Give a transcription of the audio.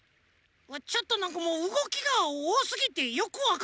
ちょっとなんかうごきがおおすぎてよくわかんなかった。